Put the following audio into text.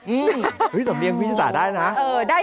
อืมสำเนียงพิธิศาสตร์ได้นะฮะ